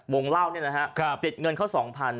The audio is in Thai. วงเล่าเนี่ยนะครับติดเงินเขา๒๐๐๐บาท